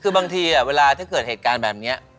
คือบางทีเวลาถ้าเกิดเหตุการณ์แบบนี้